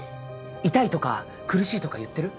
痛いとか苦しいとか言ってる？